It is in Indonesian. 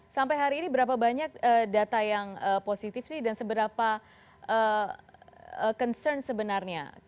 sampai hari ini berapa banyak data yang positif sih dan seberapa concern sebenarnya